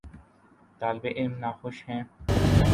طالب علم ناخوش ہیں۔